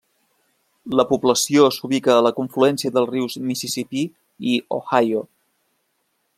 La població s'ubica a la confluència dels rius Mississipí i Ohio.